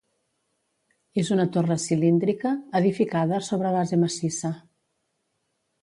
És una torre cilíndrica, edificada sobre base massissa.